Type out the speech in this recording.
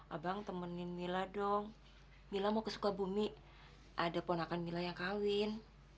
abang temenin mila dong mila mau ke sukabumi ada ponakan mila yang kawin